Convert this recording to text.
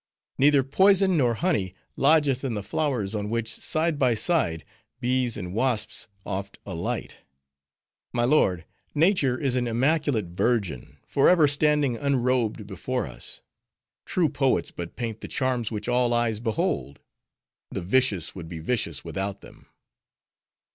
Neither poison nor honey lodgeth in the flowers on which, side by side, bees and wasps oft alight. My lord, nature is an immaculate virgin, forever standing unrobed before us. True poets but paint the charms which all eyes behold. The vicious would be vicious without them."